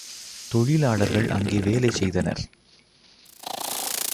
தொழிலாளர்கள் அங்கே வேலை செய்தனர்.